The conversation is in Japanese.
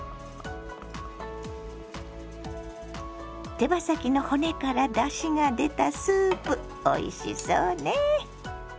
手羽先の骨からだしが出たスープおいしそうね。